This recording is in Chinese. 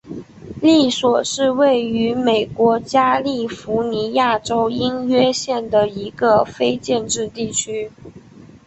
科索是位于美国加利福尼亚州因约县的一个非建制地区。